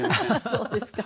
そうですか。